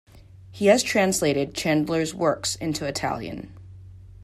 He has translated Chandler's works into Italian.